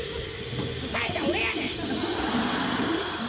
主催者俺やねん！